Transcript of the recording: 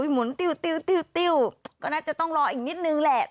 หมุนติ้วก็น่าจะต้องรออีกนิดนึงแหละ